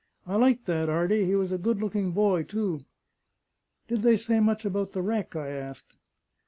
I liked that 'Ardy; he was a good looking boy, too." "Did they say much about the wreck?" I asked.